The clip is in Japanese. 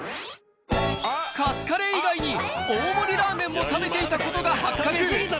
カツカレー以外に大盛りラーメンも食べていたことが発覚。